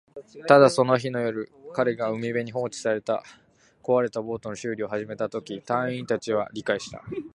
ただ、その日の夜、彼が海辺に放置された壊れたボートの修理を始めたとき、隊員達は理解した